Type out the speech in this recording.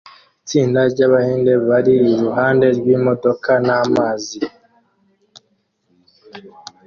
Itsinda ryabahinde bari iruhande rwimodoka namazi